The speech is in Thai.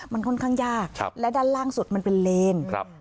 มันค่อนข้างยากและด้านล่างสุดมันเป็นเลนครับ